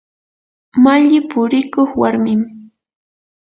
malli purikuq warmim.